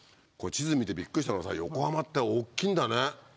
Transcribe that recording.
これ地図見てビックリしたのは横浜って大っきいんだね。